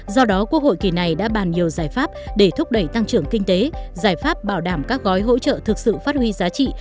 do đó quốc hội kỳ này đã bàn nhiều giải pháp để thúc đẩy tăng trưởng kinh tế giải pháp bảo đảm các gói hỗ trợ thực sự phát huy giá trị